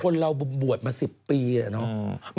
คนเราบวชมาสิบปีอ่ะเนาะ